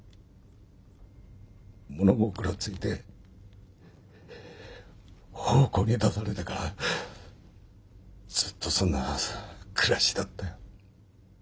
物心ついて奉公に出されてからずっとそんな暮らしだったよ。